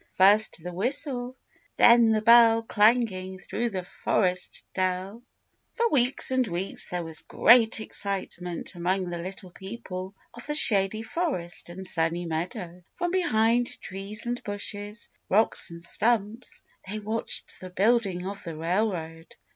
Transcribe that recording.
First the whistle, then the bell Clanging through the Forest Dell. FOR weeks and weeks there was great excitement among the Little People of the Shady Forest and Sunny Meadow. From behind trees and bushes, rocks and stumps, they watched the building of the railroad.